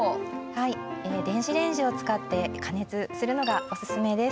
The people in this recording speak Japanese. はい、電子レンジを使って加熱がおすすめです。